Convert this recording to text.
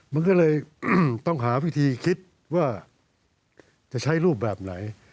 มันก็เลยต้องหาวิธีคิดว่าจะใช้รูปแบบไหน